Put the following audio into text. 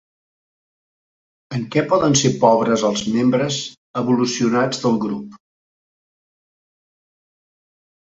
En què poden ser pobres els membres evolucionats del grup?